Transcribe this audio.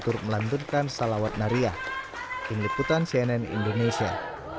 turut melanturkan salawat nariah pengliputan cnn indonesia